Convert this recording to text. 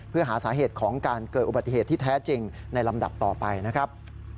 เพื่อหาสาเหตุของการเกิดอุบัติเหตุที่แท้จริงในลำดับต่อไปนะครับ